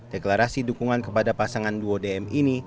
deklarasi dukungan kepada pasangan duo dm ini